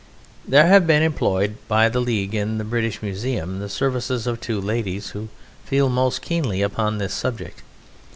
There have been employed by the League in the British Museum the services of two ladies who feel most keenly upon this subject.